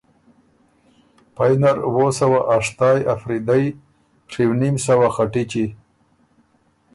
پئ نر وو سوه اشتائ افریدئ، ڒیونیم سوه خټِچی،